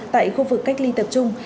tại khu vực cách ly tập trung